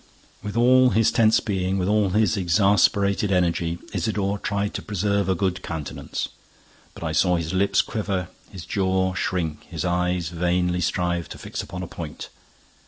With all his tense being, with all his exasperated energy, Isidore tried to preserve a good countenance. But I saw his lips quiver, his jaw shrink, his eyes vainly strive to fix upon a point.